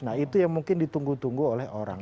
nah itu yang mungkin ditunggu tunggu oleh orang